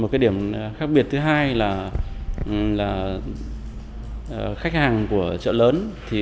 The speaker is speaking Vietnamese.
một điểm khác biệt thứ hai là khách hàng của chợ lớn